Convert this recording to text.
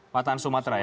patahan sumatera ya